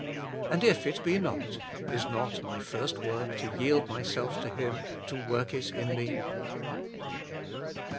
And if it be not, is not my first work to yield myself to Him to work it in me?